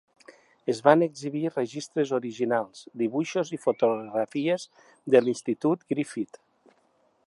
Es van exhibir registres originals, dibuixos i fotografies de l'Institut Griffith.